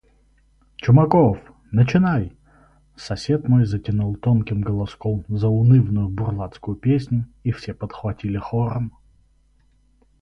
Чумаков! начинай!» – Сосед мой затянул тонким голоском заунывную бурлацкую песню, и все подхватили хором: